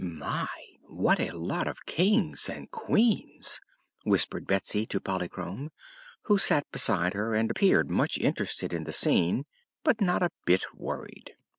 "My! what a lot of Kings and Queens!" whispered Betsy to Polychrome, who sat beside her and appeared much interested in the scene but not a bit worried.